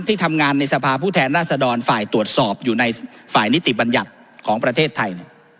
ที่ทำงานในสภาผู้แทนราชดรฝ่ายตรวจสอบอยู่ในฝ่ายนิติบัญญัติของประเทศไทย